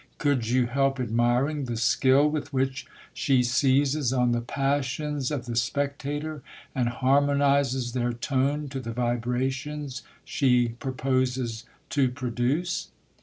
Could you help admiring the skill with which she seizes on the passions of the specta tor, and harmonizes their tone to the vibrations she purposes to produce